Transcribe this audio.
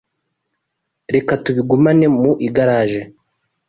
Reka tubigumane mu igaraje.